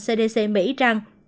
cdc mỹ rằng